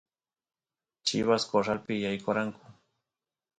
chivas corralpi yaykoranku